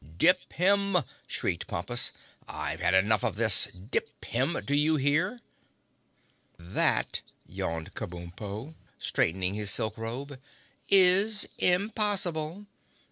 "Dip him!" shrieked Pompus. "I've had enough of this! Dip him—do you hear?" "That," yawned Kabumpo, straightening his silk robe, "is impossible!"